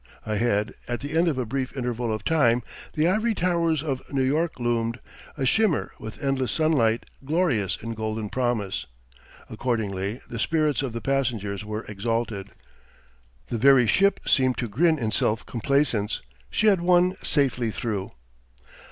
Ahead, at the end of a brief interval of time, the ivory towers of New York loomed, a shimmer with endless sunlight, glorious in golden promise. Accordingly, the spirits of the passengers were exalted. The very ship seemed to grin in self complacence; she had won safely through.